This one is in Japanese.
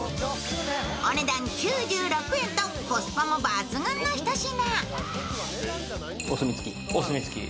お値段９６円とコスパも抜群のひと品。